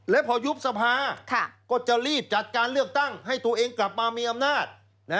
และพอยุบสภาก็จะรีบจัดการเลือกตั้งให้ตัวเองกลับมามีอำนาจ